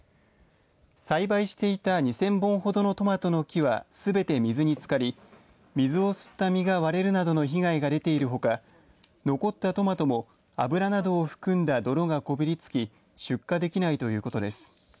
栽培していた２０００本ほどのトマトの木はすべて水につかり水を吸った実が割れるなどの被害が出ているほか残ったトマトも油などを含んだ泥が、こびりつき出荷できないということです。